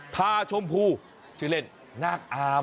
พาชมพูชื่อเล่นนาคอาม